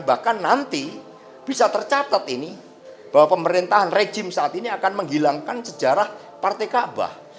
bahkan nanti bisa tercatat ini bahwa pemerintahan rejim saat ini akan menghilangkan sejarah partai kaabah